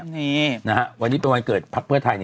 นะฮะวันนี้เป็นวันเกิดภักดิ์เพื่อไทยนี่